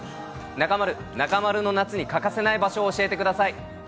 中丸、中丸の夏に欠かせない場所を教えてください。